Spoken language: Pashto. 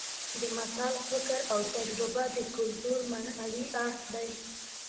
د متل فکر او تجربه د کولتور معنوي اړخ دی